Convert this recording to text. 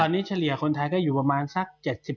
ตอนนี้เฉลี่ยคนไทยก็อยู่ประมาณสัก๗๐